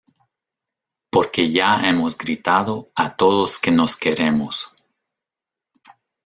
porque ya hemos gritado a todos que nos queremos